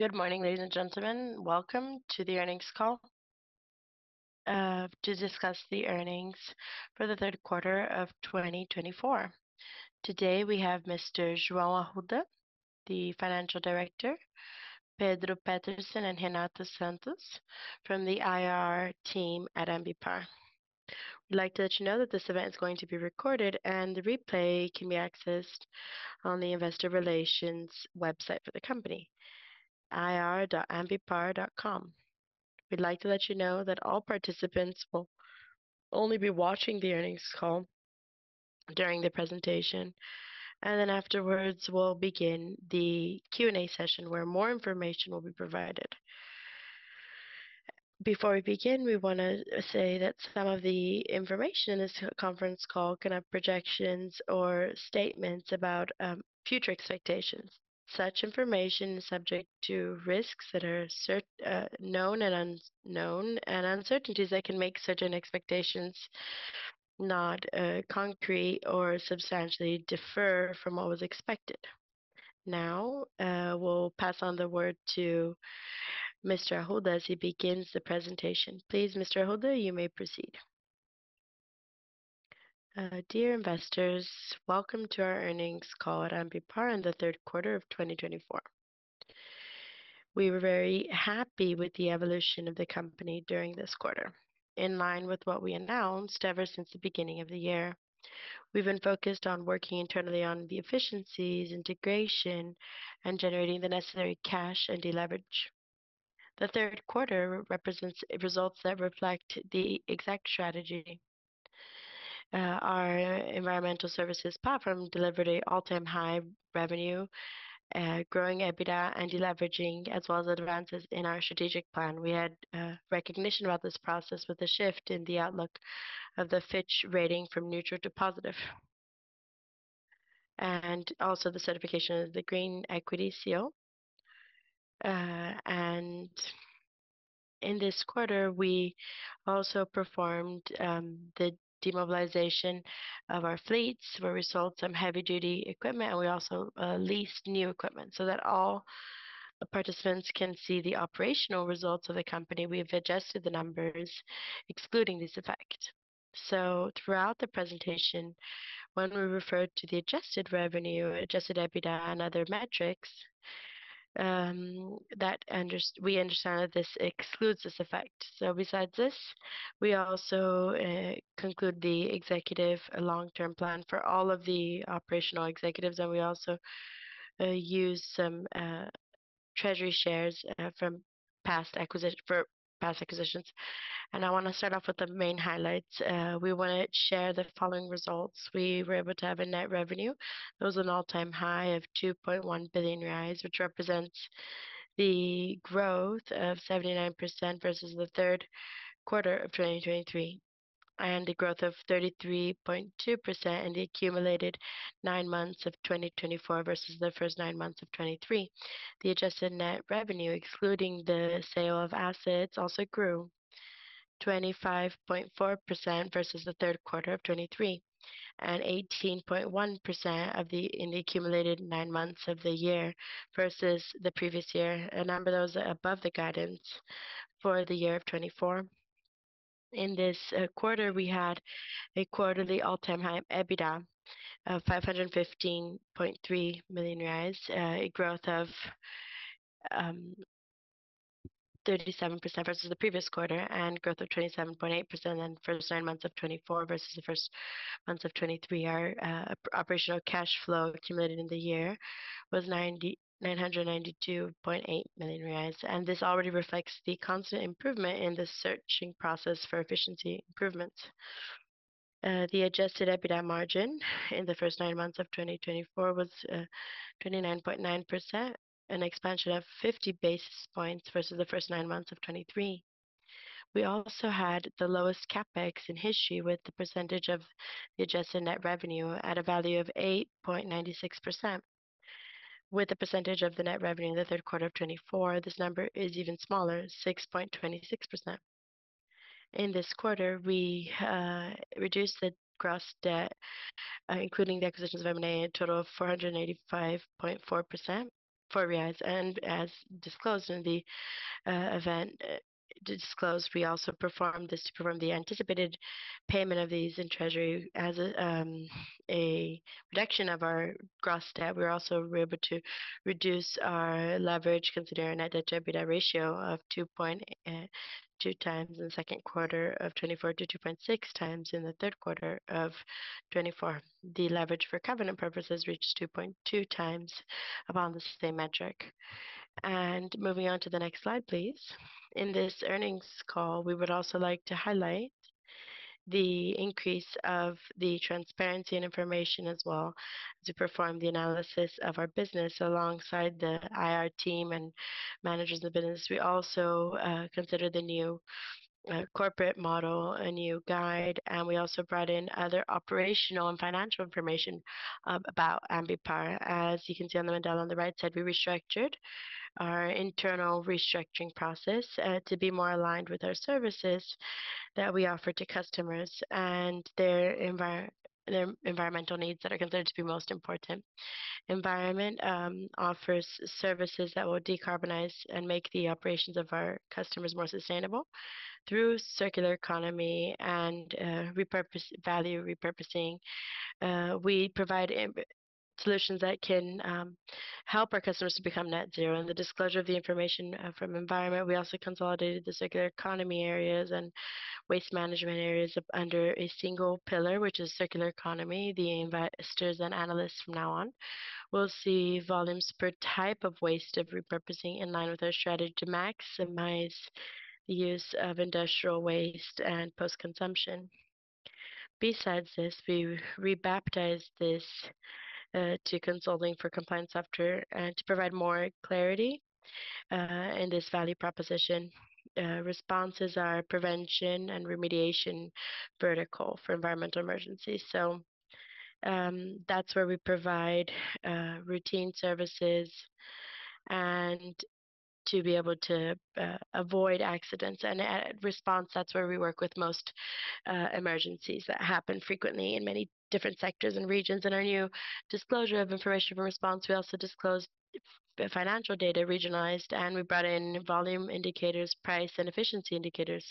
Good morning, ladies and gentlemen. Welcome to the earnings call to discuss the earnings for the third quarter of 2024. Today we have Mr. João Arruda, the Financial Director, Pedro Peterson, and Renata Santos from the IR team at Ambipar. We'd like to let you know that this event is going to be recorded, and the replay can be accessed on the Investor Relations website for the company, ir.ambipar.com. We'd like to let you know that all participants will only be watching the earnings call during the presentation, and then afterwards we'll begin the Q&A session where more information will be provided. Before we begin, we want to say that some of the information in this conference call can have projections or statements about future expectations. Such information is subject to risks that are known and unknown, and uncertainties that can make certain expectations not concrete or substantially differ from what was expected. Now we'll pass on the word to Mr. Arruda as he begins the presentation. Please, Mr. Arruda, you may proceed. Dear investors, welcome to our earnings call at Ambipar in the third quarter of 2024. We were very happy with the evolution of the company during this quarter. In line with what we announced ever since the beginning of the year, we've been focused on working internally on the efficiencies, integration, and generating the necessary cash and deleveraging. The third quarter represents results that reflect the exact strategy. Our Environmental Services platform delivered an all-time high revenue, growing EBITDA and deleveraging, as well as advances in our strategic plan. We had recognition about this process with a shift in the outlook of the Fitch Ratings from neutral to positive, and also the certification of the Green Equity Seal, and in this quarter, we also performed the demobilization of our fleets, where we sold some heavy-duty equipment, and we also leased new equipment so that all participants can see the operational results of the company. We've adjusted the numbers excluding this effect, so throughout the presentation, when we referred to the adjusted revenue, adjusted EBITDA, and other metrics, we understand that this excludes this effect, so besides this, we also conclude the executive long-term plan for all of the operational executives, and we also use some treasury shares from past acquisitions, and I want to start off with the main highlights. We want to share the following results. We were able to have a net revenue that was an all-time high of 2.1 billion reais, which represents the growth of 79% versus the third quarter of 2023, and the growth of 33.2% in the accumulated nine months of 2024 versus the first nine months of 2023. The adjusted net revenue, excluding the sale of assets, also grew 25.4% versus the third quarter of 2023, and 18.1% in the accumulated nine months of the year versus the previous year, a number that was above the guidance for the year of 2024. In this quarter, we had a quarterly all-time high EBITDA of 515.3 million reais, a growth of 37% versus the previous quarter, and growth of 27.8% in the first nine months of 2024 versus the first months of 2023. Our operational cash flow accumulated in the year was 992.8 million reais, and this already reflects the constant improvement in the searching process for efficiency improvements. The adjusted EBITDA margin in the first nine months of 2024 was 29.9%, an expansion of 50 basis points versus the first nine months of 2023. We also had the lowest CapEx in history with the percentage of the adjusted net revenue at a value of 8.96%. With the percentage of the net revenue in the third quarter of 2024, this number is even smaller, 6.26%. In this quarter, we reduced the gross debt, including the acquisitions of M&A, a total of 485.4 million. As disclosed in the event disclosed, we also performed this to perform the anticipated payment of these in treasury as a reduction of our gross debt. We were also able to reduce our leverage considering a debt-to-EBITDA ratio of 2.2 times in the second quarter of 2024 to 2.6 times in the third quarter of 2024. The leverage for covenant purposes reached 2.2 times upon the same metric, and moving on to the next slide, please. In this earnings call, we would also like to highlight the increase of the transparency and information as well to perform the analysis of our business alongside the IR team and managers of the business. We also considered the new corporate model, a new guide, and we also brought in other operational and financial information about Ambipar. As you can see on the Mandala on the right side, we restructured our internal restructuring process to be more aligned with our services that we offer to customers and their environmental needs that are considered to be most important. Environment offers services that will decarbonize and make the operations of our customers more sustainable through circular economy and value repurposing. We provide solutions that can help our customers to become net zero. In the disclosure of the information from Environment, we also consolidated the circular economy areas and waste management areas under a single pillar, which is circular economy. The investors and analysts from now on will see volumes per type of waste of repurposing in line with our strategy to maximize the use of industrial waste and post-consumption. Besides this, we rebaptized this to consulting for compliance software and to provide more clarity in this value proposition. Responses are prevention and remediation vertical for environmental emergencies. So that's where we provide routine services and to be able to avoid accidents. And at response, that's where we work with most emergencies that happen frequently in many different sectors and regions. In our new disclosure of information for response, we also disclosed financial data regionalized, and we brought in volume indicators, price, and efficiency indicators.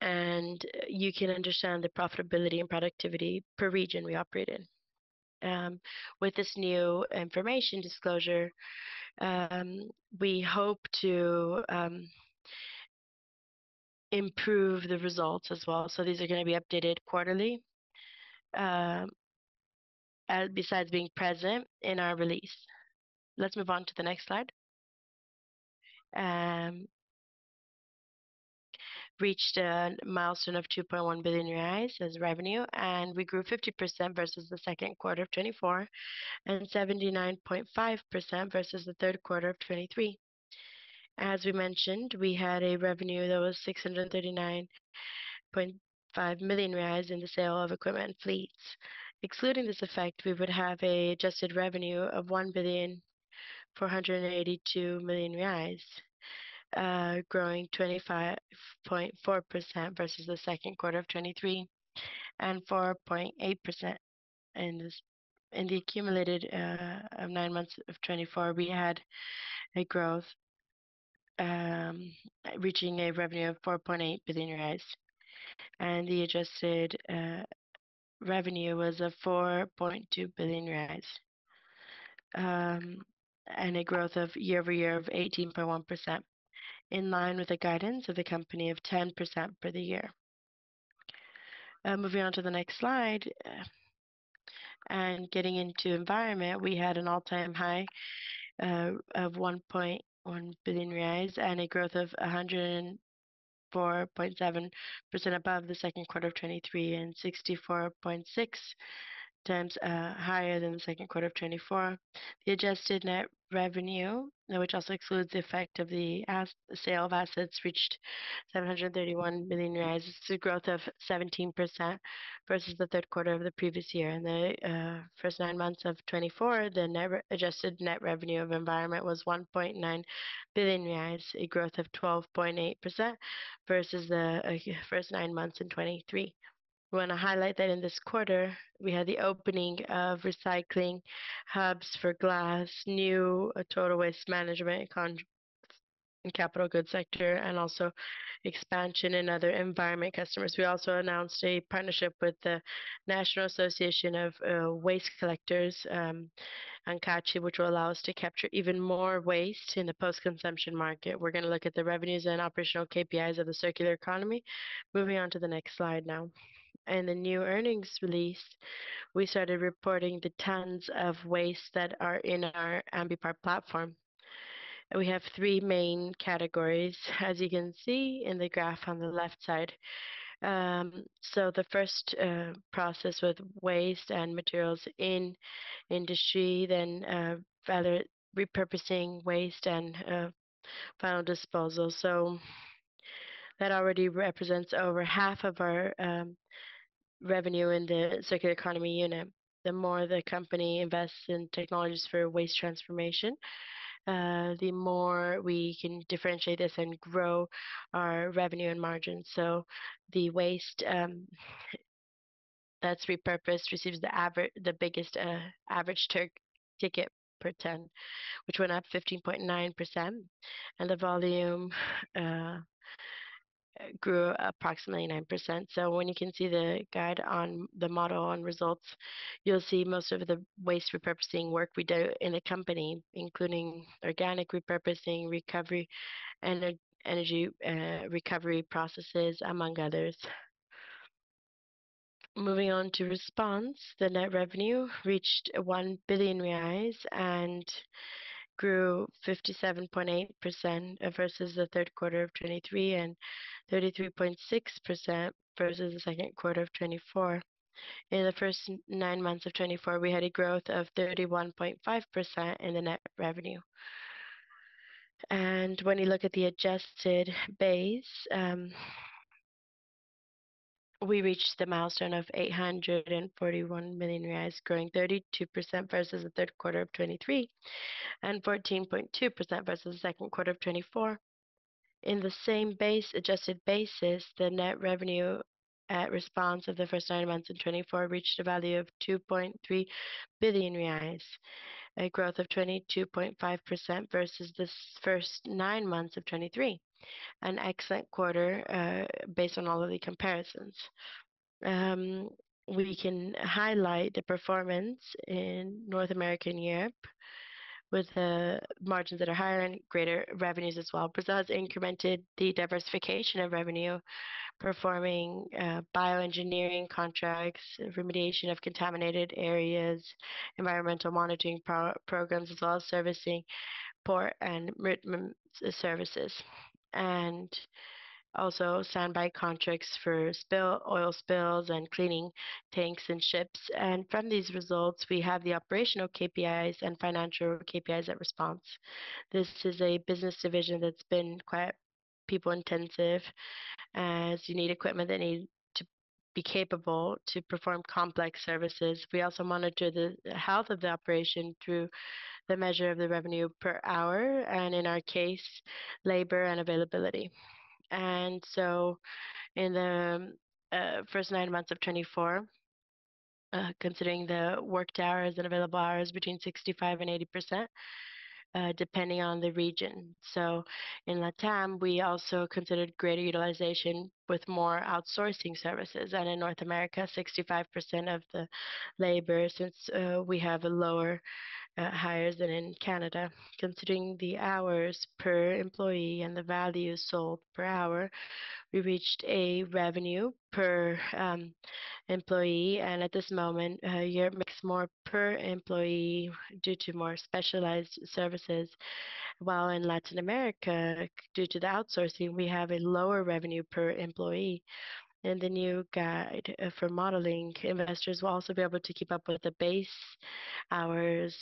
And you can understand the profitability and productivity per region we operate in. With this new information disclosure, we hope to improve the results as well. So these are going to be updated quarterly besides being present in our release. Let's move on to the next slide. We reached a milestone of 2.1 billion reais as revenue, and we grew 50% versus the second quarter of 2024 and 79.5% versus the third quarter of 2023. As we mentioned, we had a revenue that was 639.5 million reais in the sale of equipment and fleets. Excluding this effect, we would have an adjusted revenue of 1,482 million reais, growing 25.4% versus the second quarter of 2023 and 4.8%. In the accumulated nine months of 2024, we had a growth reaching a revenue of BRL 4.8 billion, and the adjusted revenue was of BRL 4.2 billion, and a growth year over year of 18.1% in line with the guidance of the company of 10% per the year. Moving on to the next slide and getting into Environment, we had an all-time high of 1.1 billion reais and a growth of 104.7% above the second quarter of 2023 and 64.6 times higher than the second quarter of 2024. The adjusted net revenue, which also excludes the effect of the sale of assets, reached BRL 731 million. It's a growth of 17% versus the third quarter of the previous year. In the first nine months of 2024, the adjusted net revenue of Environment was 1.9 billion reais, a growth of 12.8% versus the first nine months in 2023. We want to highlight that in this quarter, we had the opening of recycling hubs for glass, new total waste management and capital goods sector, and also expansion in other Environment customers. We also announced a partnership with the National Association of Waste Collectors, ANCAT, which will allow us to capture even more waste in the post-consumption market. We're going to look at the revenues and operational KPIs of the circular economy. Moving on to the next slide now. In the new earnings release, we started reporting the tons of waste that are in our Ambipar platform. We have three main categories, as you can see in the graph on the left side. So, the first process with waste and materials in industry, then repurposing waste and final disposal. So that already represents over half of our revenue in the circular economy unit. The more the company invests in technologies for waste transformation, the more we can differentiate this and grow our revenue and margin. So the waste that's repurposed receives the biggest average ticket per ton, which went up 15.9%, and the volume grew approximately 9%. So when you can see the guide on the model and results, you'll see most of the waste repurposing work we do in the company, including organic repurposing, recovery, and energy recovery processes, among others. Moving on to response, the net revenue reached 1 billion reais and grew 57.8% versus the third quarter of 2023 and 33.6% versus the second quarter of 2024. In the first nine months of 2024, we had a growth of 31.5% in the net revenue. When you look at the adjusted base, we reached the milestone of 841 million reais, growing 32% versus the third quarter of 2023 and 14.2% versus the second quarter of 2024. In the same adjusted basis, the net revenue at response of the first nine months in 2024 reached a value of 2.3 billion reais, a growth of 22.5% versus the first nine months of 2023, an excellent quarter based on all of the comparisons. We can highlight the performance in North America and Europe with margins that are higher and greater revenues as well. Brazil has incremented the diversification of revenue, performing bioengineering contracts, remediation of contaminated areas, environmental monitoring programs, as well as servicing port and route services, and also standby contracts for oil spills and cleaning tanks and ships. From these results, we have the operational KPIs and financial KPIs at Response. This is a business division that's been quite people-intensive, as you need equipment that needs to be capable to perform complex services. We also monitor the health of the operation through the measure of the revenue per hour, and in our case, labor and availability. In the first nine months of 2024, considering the worked hours and available hours between 65% and 80%, depending on the region. In Latam, we also considered greater utilization with more outsourcing services. In North America, 65% of the labor, since we have lower hires than in Canada. Considering the hours per employee and the value sold per hour, we reached a revenue per employee. At this moment, Europe makes more per employee due to more specialized services, while in Latin America, due to the outsourcing, we have a lower revenue per employee. In the new guide for modeling, investors will also be able to keep up with the base hours'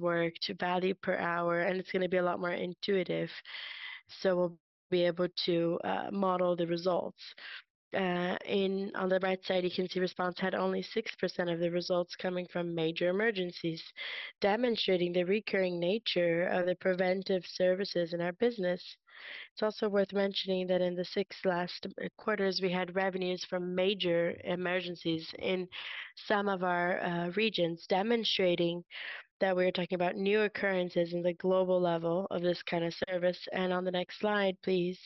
work to value per hour, and it's going to be a lot more intuitive. So we'll be able to model the results. On the right side, you can see Response had only 6% of the results coming from major emergencies, demonstrating the recurring nature of the preventive services in our business. It's also worth mentioning that in the six last quarters, we had revenues from major emergencies in some of our regions, demonstrating that we are talking about new occurrences in the global level of this kind of service. On the next slide, please,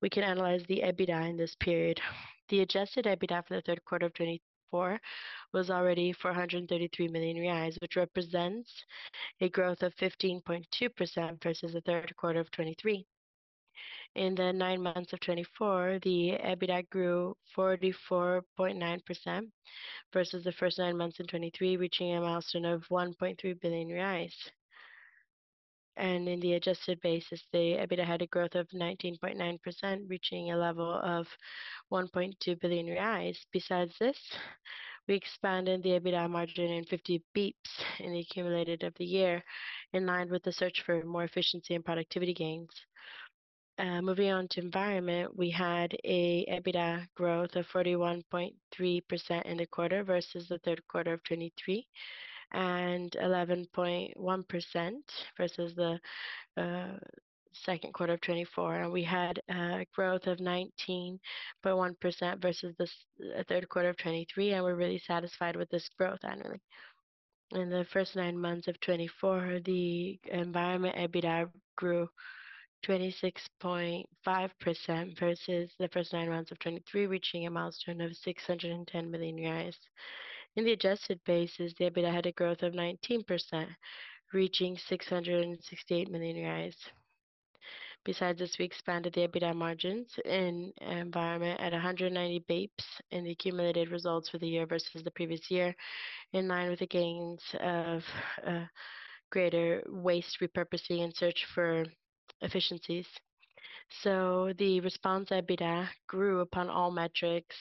we can analyze the EBITDA in this period. The adjusted EBITDA for the third quarter of 2024 was already 433 million reais, which represents a growth of 15.2% versus the third quarter of 2023. In the nine months of 2024, the EBITDA grew 44.9% versus the first nine months in 2023, reaching a milestone of 1.3 billion reais. In the adjusted basis, the EBITDA had a growth of 19.9%, reaching a level of 1.2 billion reais. Besides this, we expanded the EBITDA margin in 50 basis points in the accumulated of the year, in line with the search for more efficiency and productivity gains. Moving on to Environment, we had an EBITDA growth of 41.3% in the quarter versus the third quarter of 2023 and 11.1% versus the second quarter of 2024. We had a growth of 19.1% versus the third quarter of 2023, and we're really satisfied with this growth annually. In the first nine months of 2024, the Environment EBITDA grew 26.5% versus the first nine months of 2023, reaching a milestone of 610 million reais. In the adjusted basis, the EBITDA had a growth of 19%, reaching 668 million reais. Besides this, we expanded the EBITDA margins in Environment at 190 basis points in the accumulated results for the year versus the previous year, in line with the gains of greater waste repurposing and search for efficiencies. So the response EBITDA grew upon all metrics,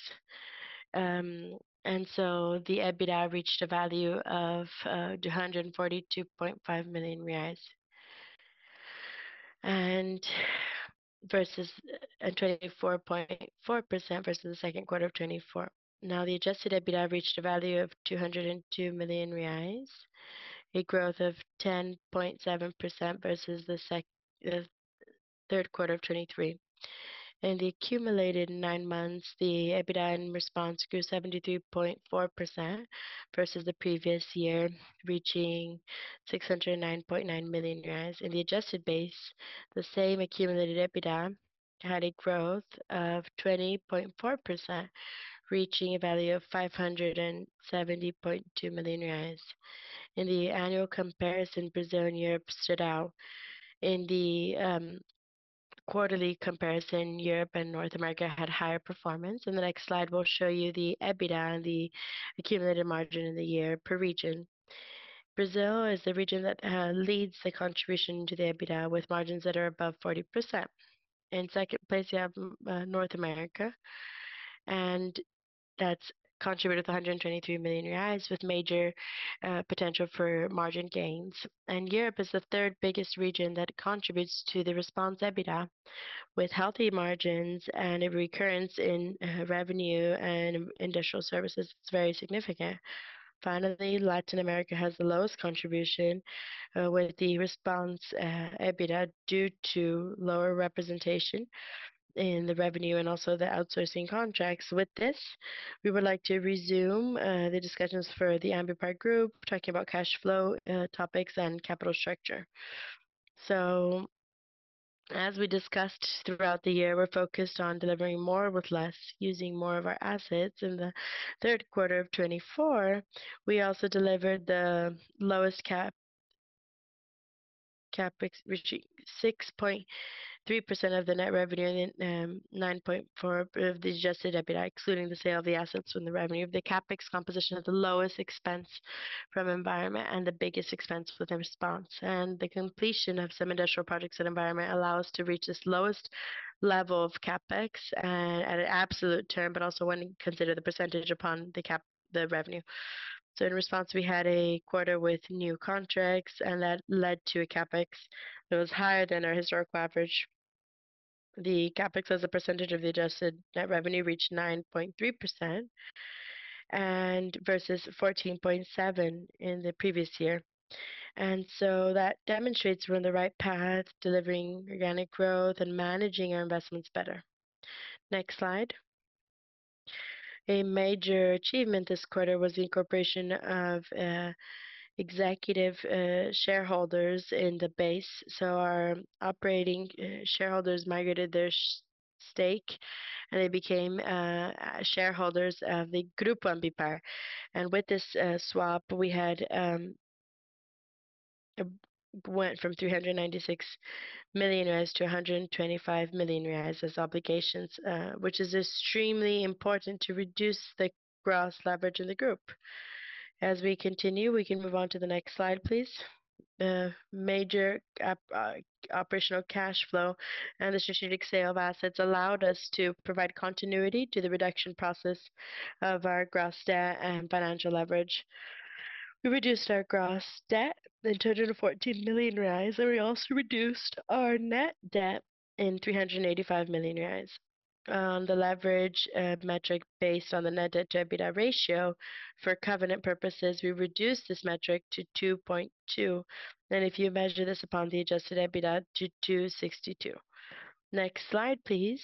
and so the EBITDA reached a value of 242.5 million reais versus 24.4% versus the second quarter of 2024. Now, the adjusted EBITDA reached a value of 202 million reais, a growth of 10.7% versus the third quarter of 2023. In the accumulated nine months, the EBITDA in response grew 73.4% versus the previous year, reaching BRL 609.9 million. In the adjusted base, the same accumulated EBITDA had a growth of 20.4%, reaching a value of 570.2 million reais. In the annual comparison, Brazil and Europe stood out. In the quarterly comparison, Europe and North America had higher performance. In the next slide, we'll show you the EBITDA and the accumulated margin in the year per region. Brazil is the region that leads the contribution to the EBITDA with margins that are above 40%. In second place, you have North America, and that's contributed with 123 million reais, with major potential for margin gains. And Europe is the third biggest region that contributes to the Response EBITDA, with healthy margins and a recurrence in revenue and industrial services. It's very significant. Finally, Latin America has the lowest contribution with the Response EBITDA due to lower representation in the revenue and also the outsourcing contracts. With this, we would like to resume the discussions for the Ambipar Group, talking about cash flow topics and capital structure, so as we discussed throughout the year, we're focused on delivering more with less, using more of our assets. In the third quarter of 2024, we also delivered the lowest CapEx, reaching 6.3% of the net revenue and 9.4% of the adjusted EBITDA, excluding the sale of the assets from the revenue. The CapEx composition is the lowest expense from Environment and the biggest expense within Response, and the completion of some industrial projects in Environment allows us to reach this lowest level of CapEx at an absolute term, but also when you consider the percentage upon the revenue, so in Response, we had a quarter with new contracts, and that led to a CapEx that was higher than our historical average. The CapEx as a percentage of the adjusted net revenue reached 9.3% versus 14.7% in the previous year. And so that demonstrates we're on the right path, delivering organic growth and managing our investments better. Next slide. A major achievement this quarter was the incorporation of executive shareholders in the base, so our operating shareholders migrated their stake, and they became shareholders of the Ambipar Group. And with this swap, we went from 396 million reais to 125 million reais as obligations, which is extremely important to reduce the gross leverage of the group. As we continue, we can move on to the next slide, please. Major operational cash flow and the strategic sale of assets allowed us to provide continuity to the reduction process of our gross debt and financial leverage. We reduced our gross debt by 214 million reais, and we also reduced our net debt by 385 million reais. On the leverage metric based on the net debt to EBITDA ratio, for covenant purposes, we reduced this metric to 2.2, and if you measure this upon the adjusted EBITDA, to 2.62. Next slide, please.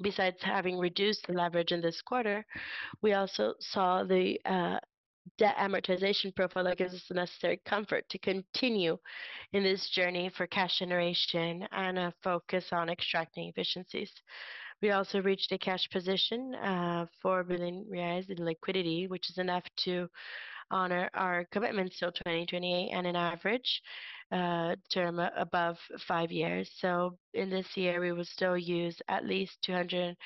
Besides having reduced the leverage in this quarter, we also saw the debt amortization profile that gives us the necessary comfort to continue in this journey for cash generation and a focus on extracting efficiencies. We also reached a cash position of 4 billion reais in liquidity, which is enough to honor our commitments till 2028 and an average term above five years, so in this year, we will still use at least 253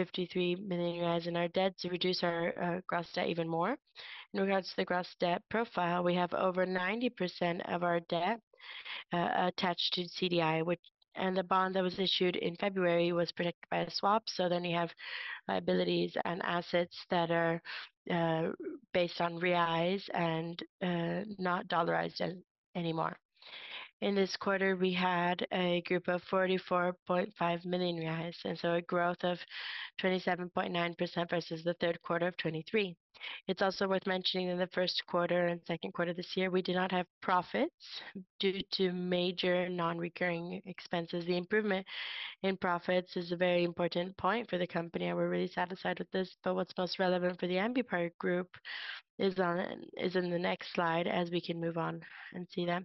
million reais in our debt to reduce our gross debt even more. In regards to the gross debt profile, we have over 90% of our debt attached to CDI, and the bond that was issued in February was protected by a swap. So then you have liabilities and assets that are based on reais and not dollarized anymore. In this quarter, we had a growth of 44.5 million reais, and so a growth of 27.9% versus the third quarter of 2023. It's also worth mentioning that in the first quarter and second quarter of this year, we did not have profits due to major non-recurring expenses. The improvement in profits is a very important point for the company, and we're really satisfied with this. But what's most relevant for the Ambipar Group is in the next slide, as we can move on and see that.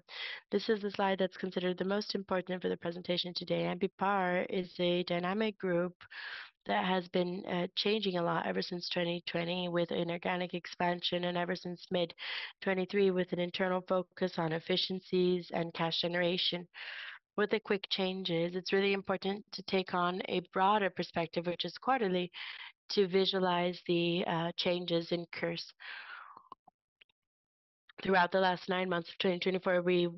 This is the slide that's considered the most important for the presentation today. Ambipar is a dynamic group that has been changing a lot ever since 2020 with an organic expansion and ever since mid-2023 with an internal focus on efficiencies and cash generation. With the quick changes, it's really important to take on a broader perspective, which is quarterly, to visualize the changes in course. Throughout the last nine months of 2024, we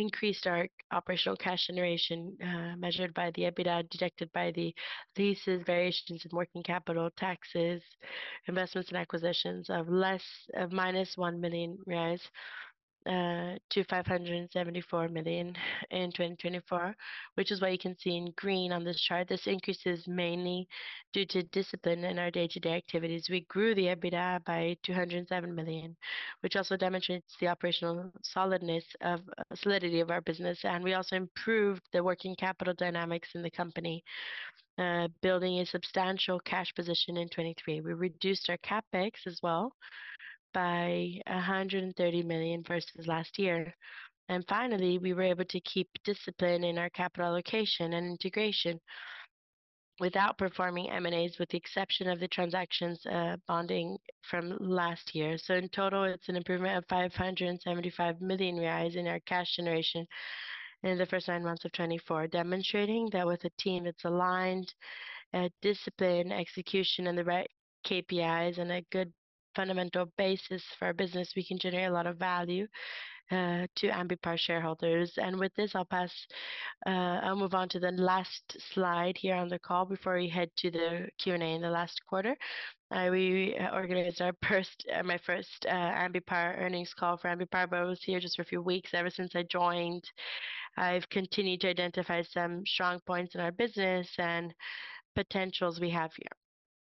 increased our operational cash generation measured by the EBITDA, deducted by the leases, variations in working capital, taxes, investments, and acquisitions minus 1 million to 574 million in 2024, which is what you can see in green on this chart. This increase is mainly due to discipline in our day-to-day activities. We grew the EBITDA by 207 million, which also demonstrates the operational solidity of our business. We also improved the working capital dynamics in the company, building a substantial cash position in 2023. We reduced our CapEx as well by 130 million versus last year, and finally, we were able to keep discipline in our capital allocation and integration without performing M&As, with the exception of the transactions bonding from last year. So in total, it's an improvement of 575 million reais in our cash generation in the first nine months of 2024, demonstrating that with a team that's aligned, discipline, execution, and the right KPIs and a good fundamental basis for our business, we can generate a lot of value to Ambipar shareholders. With this, I'll move on to the last slide here on the call before we head to the Q&A in the last quarter. We organized my first Ambipar earnings call for Ambipar, but I was here just for a few weeks. Ever since I joined, I've continued to identify some strong points in our business and potentials we have here.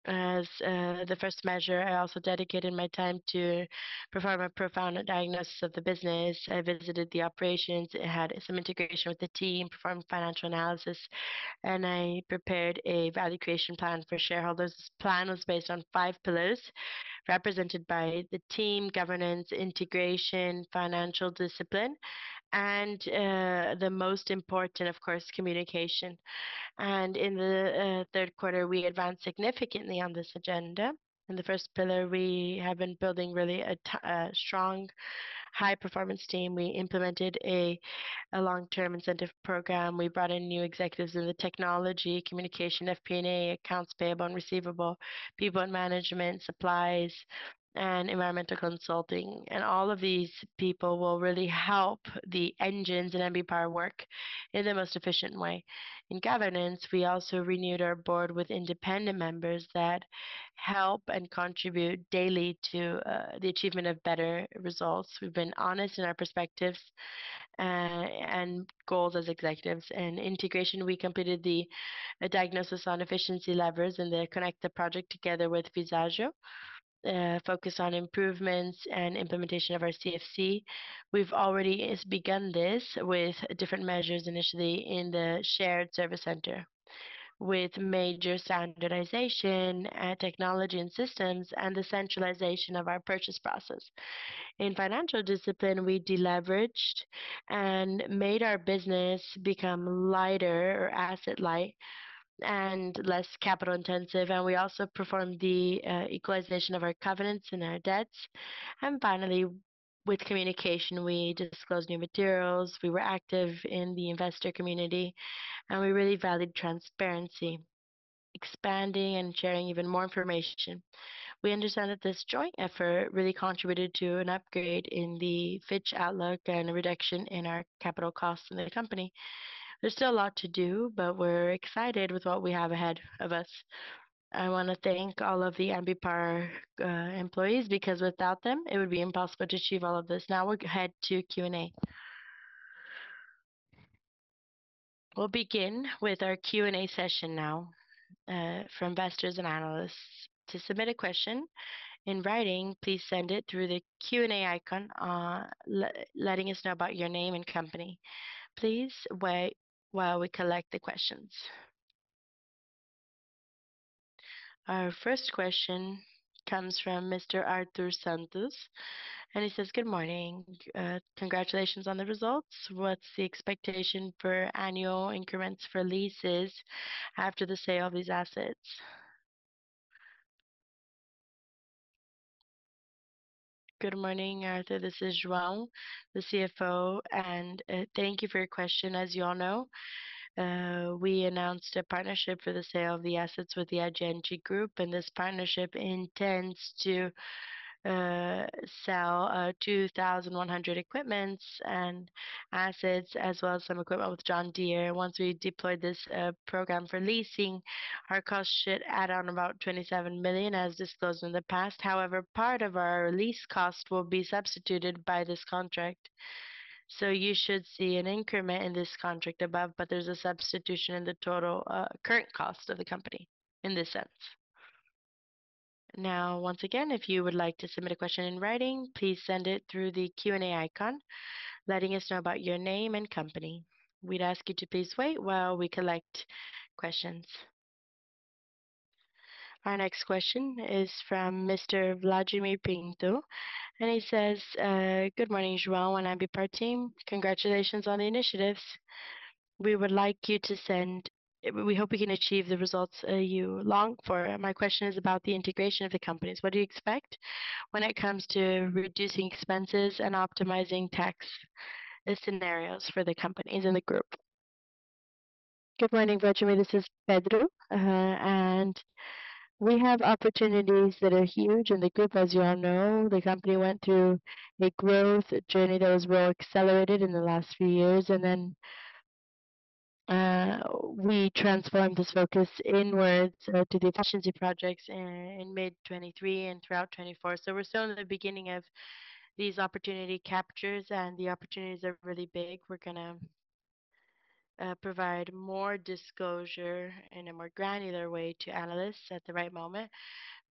As the first measure, I also dedicated my time to perform a profound diagnosis of the business. I visited the operations, had some integration with the team, performed financial analysis, and I prepared a value creation plan for shareholders. This plan was based on five pillars represented by the team, governance, integration, financial discipline, and the most important, of course, communication. And in the third quarter, we advanced significantly on this agenda. In the first pillar, we have been building really a strong, high-performance team. We implemented a long-term incentive program. We brought in new executives in the technology, communication, FP&A, accounts payable and receivable, people and management, supplies, and environmental consulting. And all of these people will really help the engines in Ambipar work in the most efficient way. In governance, we also renewed our board with independent members that help and contribute daily to the achievement of better results. We've been honest in our perspectives and goals as executives. In integration, we completed the diagnosis on efficiency levers and the Connect project together with Visagio, focused on improvements and implementation of our CSC. We've already begun this with different measures initially in the shared service center, with major standardization and technology and systems and the centralization of our purchase process. In financial discipline, we deleveraged and made our business become lighter, or asset-light, and less capital-intensive, and we also performed the equalization of our covenants and our debts, and finally, with communication, we disclosed new materials. We were active in the investor community, and we really valued transparency, expanding, and sharing even more information. We understand that this joint effort really contributed to an upgrade in the Fitch outlook and a reduction in our capital costs in the company. There's still a lot to do, but we're excited with what we have ahead of us. I want to thank all of the Ambipar employees because without them, it would be impossible to achieve all of this. Now we'll head to Q&A. We'll begin with our Q&A session now for investors and analysts. To submit a question in writing, please send it through the Q&A icon, letting us know about your name and company. Please wait while we collect the questions. Our first question comes from Mr. Arthur Santos, and he says, "Good morning. Congratulations on the results. What's the expectation for annual increments for leases after the sale of these assets?" Good morning, Arthur. This is João, the CFO, and thank you for your question. As you all know, we announced a partnership for the sale of the assets with John Deere, and this partnership intends to sell 2,100 equipments and assets, as well as some equipment with John Deere. Once we deploy this program for leasing, our cost should add on about 27 million, as disclosed in the past. However, part of our lease cost will be substituted by this contract. So you should see an increment in this contract above, but there's a substitution in the total current cost of the company in this sense. Now, once again, if you would like to submit a question in writing, please send it through the Q&A icon, letting us know about your name and company. We'd ask you to please wait while we collect questions. Our next question is from Mr. Vladimir Pinto, and he says, "Good morning, João and Ambipar team. Congratulations on the initiatives. We would like you to send. We hope we can achieve the results you long for. My question is about the integration of the companies. What do you expect when it comes to reducing expenses and optimizing tax scenarios for the companies and the group?" Good morning, Vladimir. This is Pedro, and we have opportunities that are huge in the group, as you all know. The company went through a growth journey that was well accelerated in the last few years, and then we transformed this focus inwards to the efficiency projects in mid-2023 and throughout 2024. So we're still in the beginning of these opportunity captures, and the opportunities are really big. We're going to provide more disclosure in a more granular way to analysts at the right moment.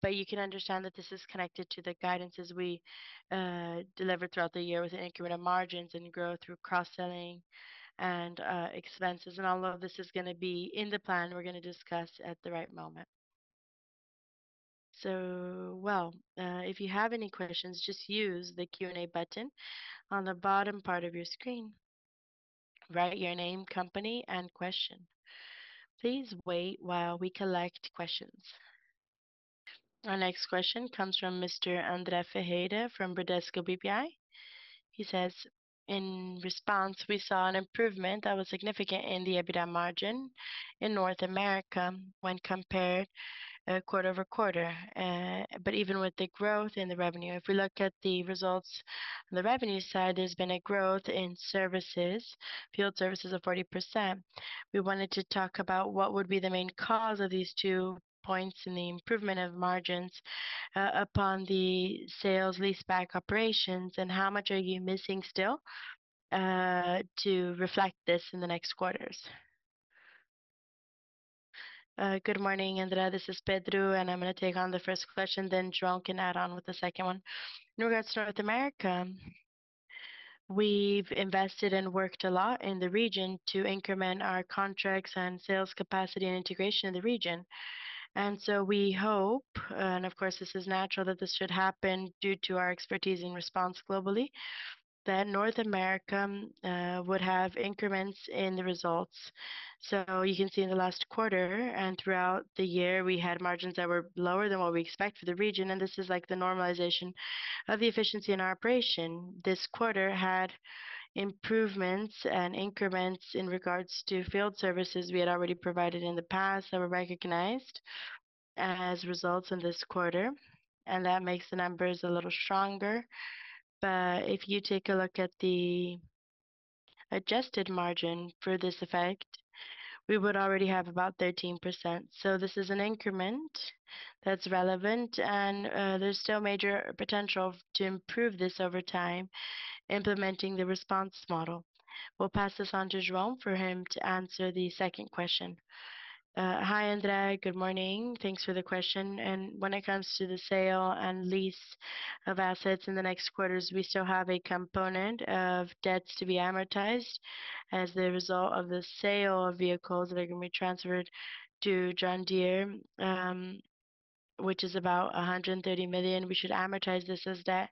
But you can understand that this is connected to the guidance as we deliver throughout the year with incremental margins and growth through cross-selling and expenses. And all of this is going to be in the plan we're going to discuss at the right moment. So well, if you have any questions, just use the Q&A button on the bottom part of your screen. Write your name, company, and question. Please wait while we collect questions. Our next question comes from Mr. André Ferreira from Bradesco BBI. He says, "In response, we saw an improvement that was significant in the EBITDA margin in North America when compared quarter over quarter. But even with the growth in the revenue, if we look at the results on the revenue side, there's been a growth in services, field services of 40%. We wanted to talk about what would be the main cause of these two points in the improvement of margins upon the sale and leaseback operations, and how much are you missing still to reflect this in the next quarters? Good morning, André. This is Pedro, and I'm going to take on the first question. Then João can add on with the second one. In regards to North America, we've invested and worked a lot in the region to increment our contracts and sales capacity and integration in the region. And so we hope, and of course, this is natural, that this should happen due to our expertise in response globally, that North America would have increments in the results. So you can see in the last quarter and throughout the year, we had margins that were lower than what we expect for the region, and this is like the normalization of the efficiency in our operation. This quarter had improvements and increments in regards to field services we had already provided in the past that were recognized as results in this quarter, and that makes the numbers a little stronger. But if you take a look at the adjusted margin for this effect, we would already have about 13%. So this is an increment that's relevant, and there's still major potential to improve this over time implementing the response model. We'll pass this on to João for him to answer the second question. Hi, André. Good morning. Thanks for the question. When it comes to the sale and lease of assets in the next quarters, we still have a component of debts to be amortized as the result of the sale of vehicles that are going to be transferred to John Deere, which is about 130 million. We should amortize this as debt.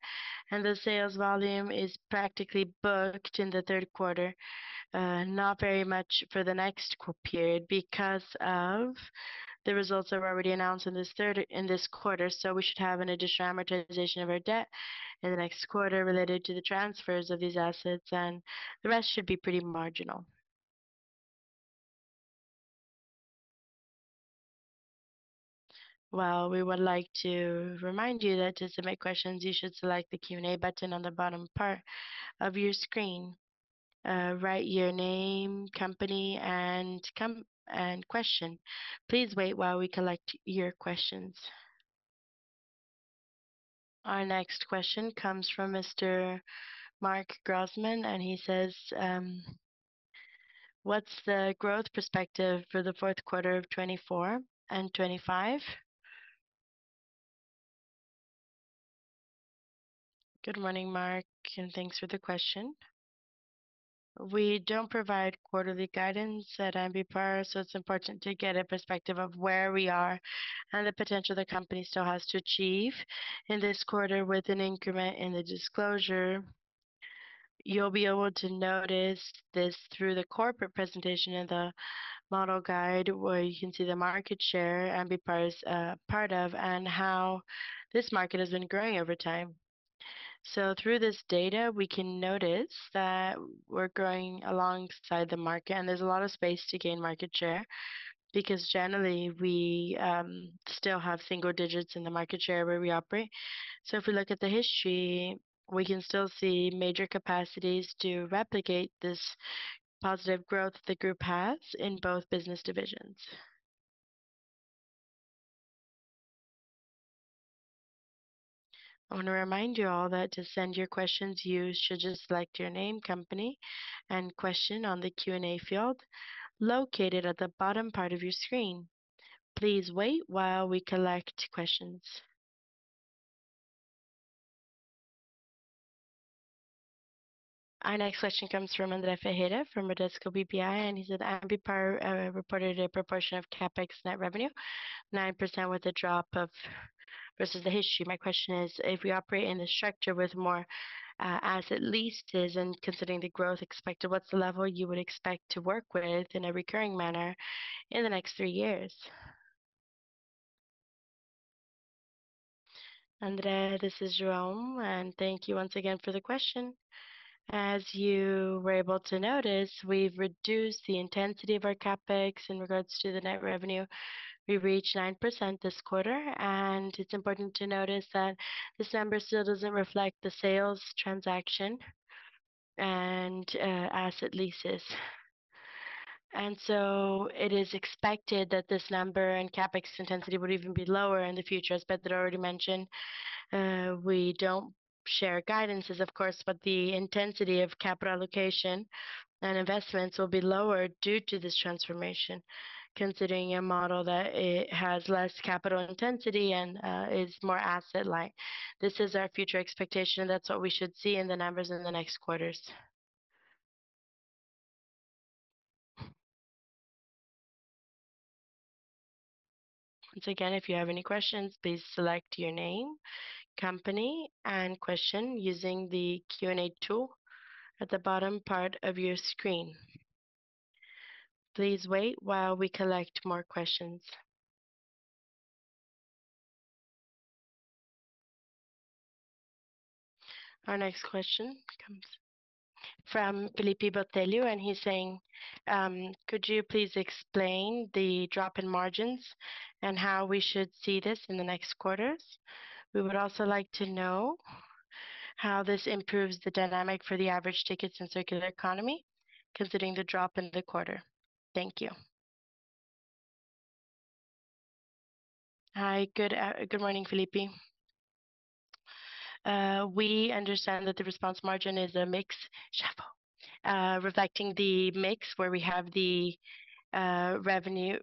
The sales volume is practically booked in the third quarter, not very much for the next period because of the results that were already announced in this quarter. We should have an additional amortization of our debt in the next quarter related to the transfers of these assets, and the rest should be pretty marginal. We would like to remind you that to submit questions, you should select the Q&A button on the bottom part of your screen. Write your name, company, and question. Please wait while we collect your questions. Our next question comes from Mr. Mark Grossman, and he says, "What's the growth perspective for the fourth quarter of 2024 and 2025?" Good morning, Mark, and thanks for the question. We don't provide quarterly guidance at Ambipar, so it's important to get a perspective of where we are and the potential the company still has to achieve in this quarter with an increment in the disclosure. You'll be able to notice this through the corporate presentation and the model guide where you can see the market share Ambipar is part of and how this market has been growing over time. So through this data, we can notice that we're growing alongside the market, and there's a lot of space to gain market share because generally, we still have single digits in the market share where we operate. So if we look at the history, we can still see major capacities to replicate this positive growth the group has in both business divisions. I want to remind you all that to send your questions, you should just select your name, company, and question on the Q&A field located at the bottom part of your screen. Please wait while we collect questions. Our next question comes from André Ferreira from Bradesco BBI, and he said, "Ambipar reported a proportion of CapEx net revenue, 9% with a drop of versus the history. My question is, if we operate in this structure with more asset leases and considering the growth expected, what's the level you would expect to work with in a recurring manner in the next three years?" André, this is João, and thank you once again for the question. As you were able to notice, we've reduced the intensity of our CapEx in regards to the net revenue. We reached 9% this quarter, and it's important to notice that this number still doesn't reflect the sales transaction and asset leases. And so it is expected that this number and CapEx intensity would even be lower in the future, as Pedro had already mentioned. We don't share guidances, of course, but the intensity of capital allocation and investments will be lower due to this transformation, considering a model that has less capital intensity and is more asset-light. This is our future expectation, and that's what we should see in the numbers in the next quarters. Once again, if you have any questions, please select your name, company, and question using the Q&A tool at the bottom part of your screen. Please wait while we collect more questions. Our next question comes from Felipe Bertello, and he's saying, "Could you please explain the drop in margins and how we should see this in the next quarters? We would also like to know how this improves the dynamic for the average tickets in circular economy, considering the drop in the quarter." Thank you. Hi, good morning, Felipe. We understand that the response margin is a mix reflecting the mix where we have the revenue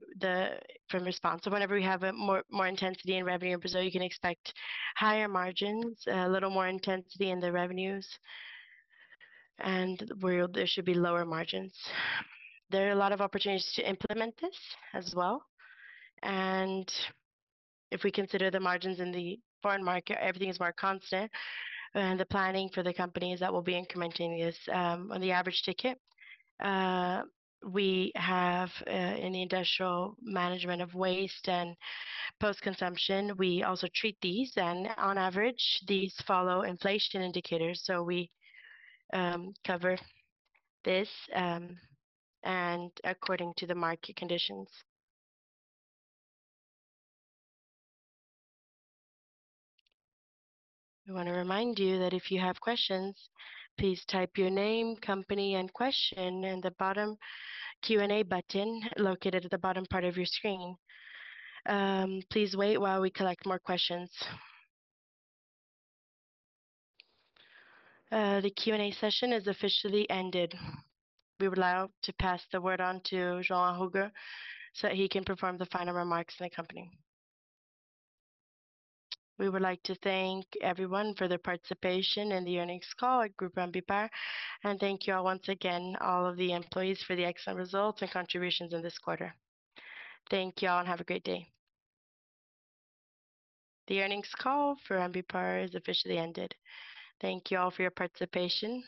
from response. So whenever we have more intensity in revenue in Brazil, you can expect higher margins, a little more intensity in the revenues, and there should be lower margins. There are a lot of opportunities to implement this as well, and if we consider the margins in the foreign market, everything is more constant. The planning for the companies that will be incrementing this on the average ticket, we have in the industrial management of waste and post-consumption, we also treat these, and on average, these follow inflation indicators. So we cover this and according to the market conditions. We want to remind you that if you have questions, please type your name, company, and question in the bottom Q&A button located at the bottom part of your screen. Please wait while we collect more questions. The Q&A session is officially ended. We would like to pass the word on to João Arruda so that he can perform the final remarks in the company. We would like to thank everyone for their participation in the earnings call at Group Ambipar, and thank you all once again, all of the employees, for the excellent results and contributions in this quarter. Thank you all and have a great day. The earnings call for Ambipar is officially ended. Thank you all for your participation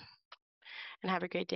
and have a great day.